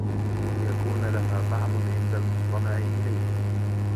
لِيَكُونَ لَهَا طَعْمٌ عِنْدَ الْمُصْطَنَعِ إلَيْهِ